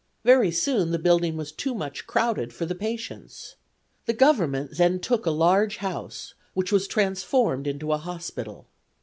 Very soon the building was too much crowded for the patients. The Government then took a large house, which was transformed into a hospital.